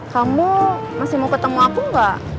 kamu masih mau ketemu aku gak